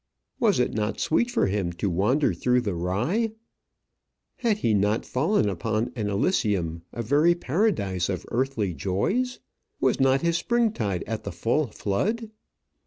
Was it not sweet for him to wander through the rye? Had he not fallen upon an Elysium, a very paradise of earthly joys? Was not his spring tide at the full flood?